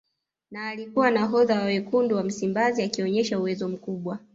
Na alikuwa nahodha wa Wekundu wa Msimbazi akionyesha uwezo mkubwa